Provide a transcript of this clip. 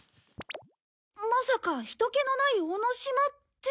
まさか人けのない尾の島ってことは。